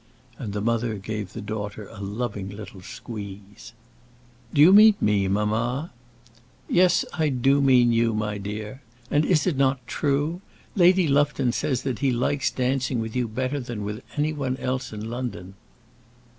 And the mother gave her daughter a loving little squeeze. "Do you mean me, mamma?" "Yes, I do mean you, my dear. And is it not true? Lady Lufton says that he likes dancing with you better than with any one else in London."